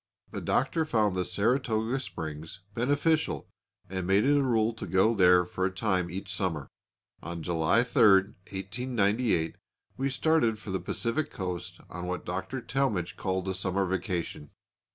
The Doctor found the Saratoga Springs beneficial and made it a rule to go there for a time each summer. On July 3, 1898, we started for the Pacific coast on what Dr. Talmage called a summer vacation.